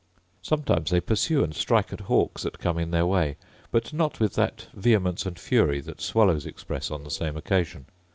Sometimes they pursue and strike at hawks that come in their way; but not with that vehemence and fury that swallows express on the same occasion.